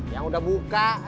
yang udah buka ayo buka